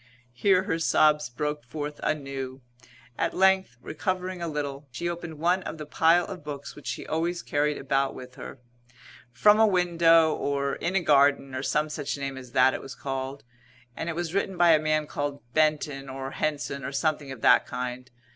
Here her sobs broke forth anew. At length, recovering a little, she opened one of the pile of books which she always carried about with her "From a Window" or "In a Garden," or some such name as that it was called, and it was written by a man called Benton or Henson, or something of that kind.